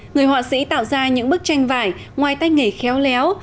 người họa sĩ tạo ra những bức tranh vải ngoài tay nghề khéo léo